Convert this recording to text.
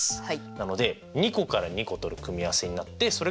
なので２個から２個取る組み合わせになってでそれがＣ。